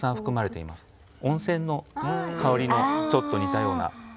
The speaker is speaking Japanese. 温泉の香りのちょっと似たような。